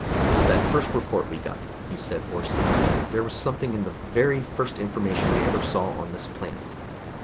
"That first report we got," he said hoarsely. "There was something in the very first information we ever saw on this planet...."